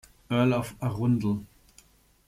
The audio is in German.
Earl of Arundel.